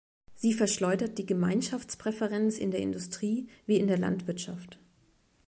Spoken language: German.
Sie verschleudert die Gemeinschaftspräferenz in der Industrie wie in der Landwirtschaft.